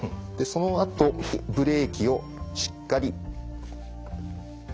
そのあとブレーキをしっかり止めます。